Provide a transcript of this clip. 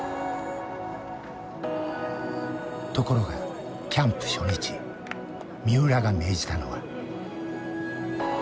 ところがキャンプ初日三浦が命じたのは。